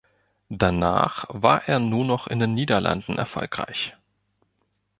Danach war er nur noch in den Niederlanden erfolgreich.